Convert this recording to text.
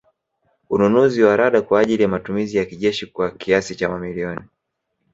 Ununuzi wa Rada kwa ajili ya matumizi ya kijeshi kwa kiasi cha mamilioni